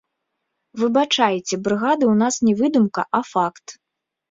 Выбачайце, брыгады ў нас не выдумка, а факт.